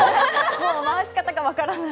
もう、回し方が分からない